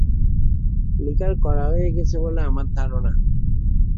Liquor কড়া হয়ে গেছে বলে-আমার ধারণা।